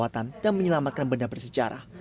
dan perawatan dan menyelamatkan benda bersejarah